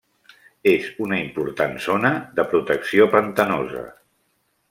És una important zona de protecció pantanosa.